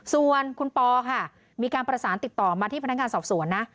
ส่วนคุณปอค่ะมีการประสานติดต่อมาที่พนักงานสอบสวนนะ